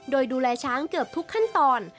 โดยดูแลช้างเกือบทุกขั้นตอน